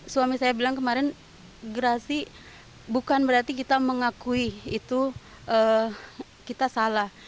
suami saya bilang kemarin gerasi bukan berarti kita mengakui itu kita salah